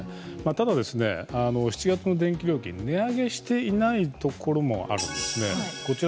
ただ、７月の電気料金を値上げしていないところもあるんです。